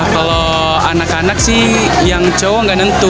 kalau anak anak sih yang cowok nggak nentu